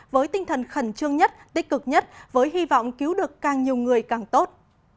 với tinh thần khẩn trương nhất tích cực nhất với hy vọng cứu được càng nhiều người càng tốt